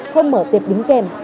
không mở tiệp đứng kèm